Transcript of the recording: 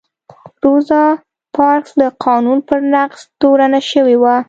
روزا پارکس د قانون پر نقض تورنه شوې وه.